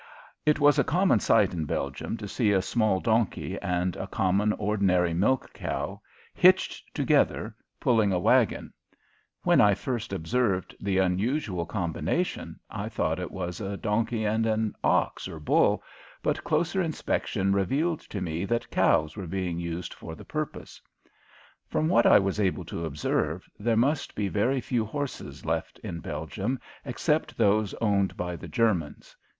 It was a common sight in Belgium to see a small donkey and a common, ordinary milch cow hitched together, pulling a wagon. When I first observed the unusual combination I thought it was a donkey and ox or bull, but closer inspection revealed to me that cows were being used for the purpose. From what I was able to observe, there must be very few horses left in Belgium except those owned by the Germans.